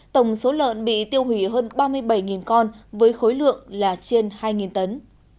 tổng số lợn bị tiêu hủy hơn ba mươi bảy con với khối lượng là trên hai tấn